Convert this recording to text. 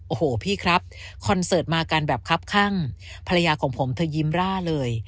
โอ้โหพี่ครับคอนเสิร์ตมากันแบบครับข้างภรรยาของผมเธอยิ้มร่าเลย